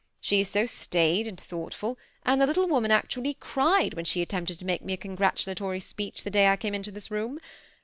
She is so staid and thoughtful, and the little woman actually cried when she attempted to make me a con gratulatory speech the day I came into this room.